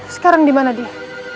sekarang di mana dia